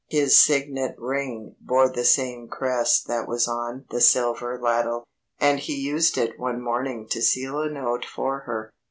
His signet ring bore the same crest that was on the silver ladle, and he used it one morning to seal a note for her.